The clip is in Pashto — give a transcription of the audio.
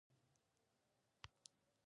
منی د افغانستان د ځمکې د جوړښت نښه ده.